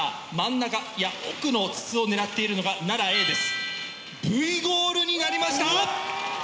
奥の筒を狙っているのが奈良Ａです。